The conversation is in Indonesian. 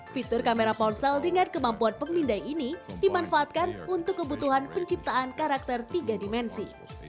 fitur kamera ponsel dengan kemampuan pemindai ini dimanfaatkan untuk kebutuhan penciptaan karakter tiga dimensi